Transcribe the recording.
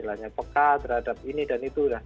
tidak terlalu pekat terhadap ini dan itu